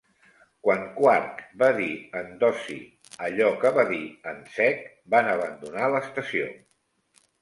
Quan Quark va dir en Dosi allò que va dir en Zek, van abandonar l"estació.